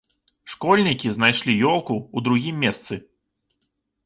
Школьнікі знайшлі ёлку ў другім месцы.